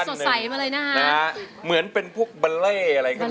ร้องได้ให้ล้านกับพวกเราค่ะ